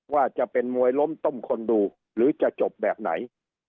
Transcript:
ว่าจะเป็นมวยล้มต้มคนดูหรือจะจบแบบไหน